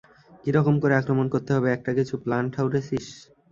কিরকম করে আক্রমণ করতে হবে একটা কিছু প্ল্যান ঠাউরেছিস?